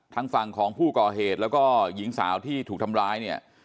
ทางฝั่งของผู้ก่อเหตุแล้วก็หญิงสาวที่ถูกทำร้ายเนี่ย